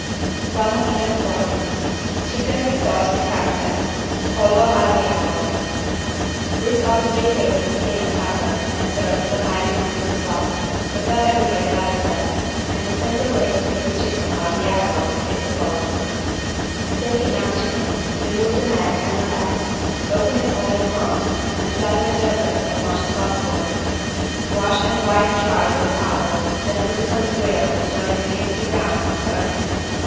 140 CHICKEN WITH SAUCE PIQUANTE (Pollo al diavolo) This ought to be cooked with Cayenne pepper and served with a highly seasoned sauce, but not everybody likes that and a simpler way to cook the chicken "al diavolo" is the following: Take a young chicken, remove the neck and the legs, open it all in front and flatten it open as much as possible. Wash and wipe dry with a towel, then put it on the grill and when it begins to brown turn it.